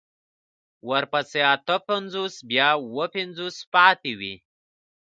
ورپسې اته پنځوس بيا اوه پنځوس پاتې وي.